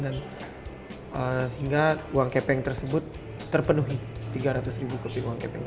dan hingga uang kepeng tersebut terpenuhi tiga ratus rupiah uang kepeng